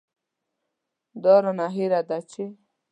دا رانه هېره ده چې.